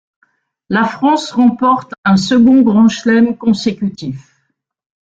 La France remporte un second Grand chelem consécutif.